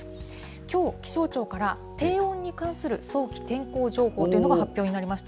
きょう、気象庁から低温に関する早期天候情報というのが発表になりました。